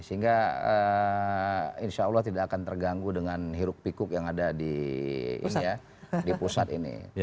sehingga insya allah tidak akan terganggu dengan hiruk pikuk yang ada di pusat ini